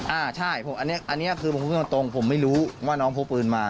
อ่าใช่อันนี้คือผมพูดตรงผมไม่รู้ว่าน้องพกปืนมา